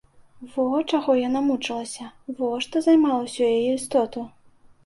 Во чаго яна мучылася, во што займала ўсю яе істоту!